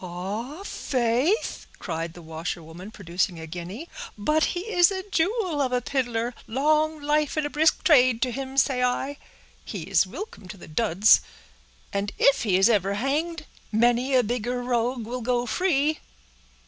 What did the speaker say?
"Ah! faith," cried the washerwoman, producing a guinea, "but he is a jewel of a piddler! Long life and a brisk trade to him, say I; he is wilcome to the duds—and if he is ever hanged, many a bigger rogue will go free."